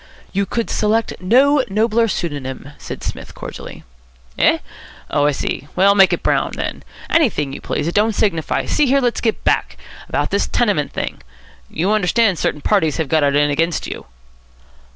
"You could select no nobler pseudonym," said Psmith cordially. "Eh? Oh, I see. Well, make it Brown, then. Anything you please. It don't signify. See here, let's get back. About this tenement thing. You understand certain parties have got it in against you?"